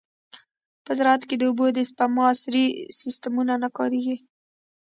په زراعت کې د اوبو د سپما عصري سیستمونه نه کارېږي.